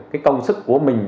cái công sức của mình